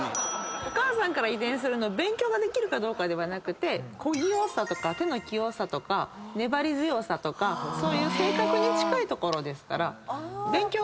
お母さんから遺伝するの勉強ができるかどうかではなくて小器用さとか手の器用さとか粘り強さとかそういう性格に近いところですから勉強がどうこうってことではないですよ。